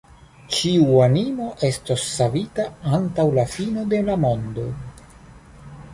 Ĉiu animo estos savita antaŭ la fino de la mondo.